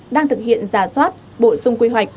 đang thực hiện giả soát bổ sung quy hoạch